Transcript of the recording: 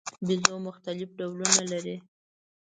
بیزو مختلف ډولونه لري.